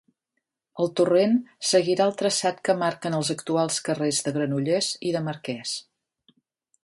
El torrent seguirà el traçat que marquen els actuals carrers de Granollers i de Marqués.